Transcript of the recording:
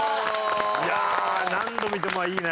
いやあ何度見てもいいね